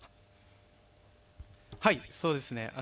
はいそうですね